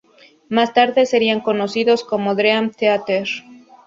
Más tarde serían conocidos como Dream Theater.